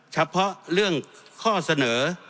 เฉพาะเรื่องข้อเสนอ